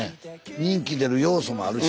人気出る要素もあるし。